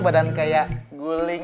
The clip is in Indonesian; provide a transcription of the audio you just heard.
badan kayak guling